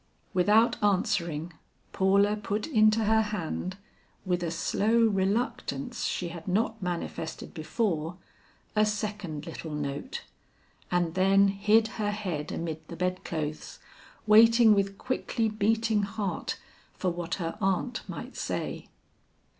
Without answering, Paula put into her hand, with a slow reluctance she had not manifested before, a second little note, and then hid her head amid the bedclothes, waiting with quickly beating heart for what her aunt might say.